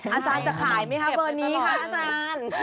อาจารย์จะขายไหมคะเบอร์นี้คะอาจารย์